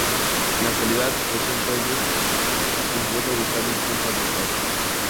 En la actualidad posee un predio que se encuentra ubicado en Punta Mogotes.